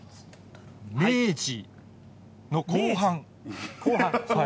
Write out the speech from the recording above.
明治の後半。